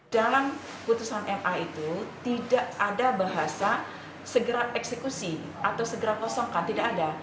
dalam putusan ma itu tidak ada bahasa segera eksekusi atau segera kosongkan tidak ada